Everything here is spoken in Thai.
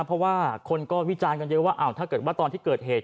เพราะว่าคนก็วิจารณ์กันเยอะว่าถ้าเกิดว่าตอนที่เกิดเหตุ